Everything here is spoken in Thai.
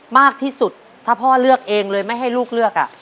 มากที่สุดถ้าพ่อเลือกเองเลยไม่ให้ลูกเลือกอ่ะ